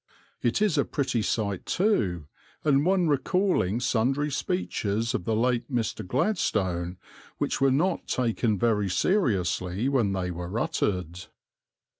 It is a pretty sight too, and one recalling sundry speeches of the late Mr. Gladstone which were not taken very seriously when they were uttered.